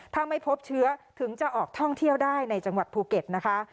ถ้าไม่พบเชื้อถึงจะออกท่องเที่ยวได้ในจังหวัดภูเก็ตนะคะ